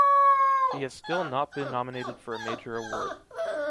He has still not been nominated for a major award.